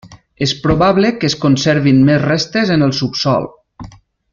És probable que es conservin més restes en el subsòl.